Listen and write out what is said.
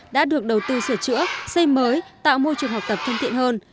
đã được đầu tư sửa chữa xây mới tạo môi trường học tập thân thiện hơn